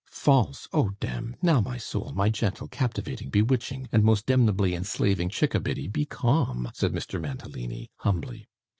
'False! Oh dem! Now my soul, my gentle, captivating, bewitching, and most demnebly enslaving chick a biddy, be calm,' said Mr. Mantalini, humbly.